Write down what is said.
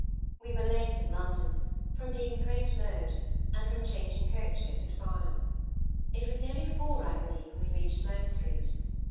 We were late in London, from being a great load, and from changing coaches at Farnham; it was nearly four, I believe, when we reached Sloane Street.